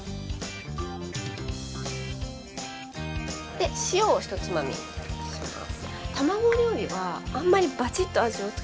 で塩を１つまみします。